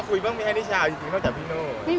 คุยด้วยมากที่สุดไหมคะตอนนี้